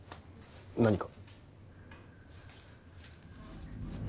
何か？